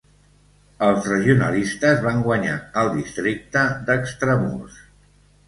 Els regionalistes van guanyar al districte d'Extramurs.